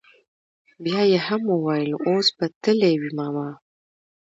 بيا يې هم وويل اوس به تلي وي ماما.